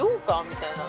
みたいな。